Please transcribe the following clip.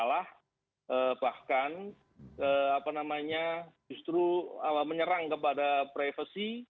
masalah bahkan apa namanya justru menyerang kepada privasi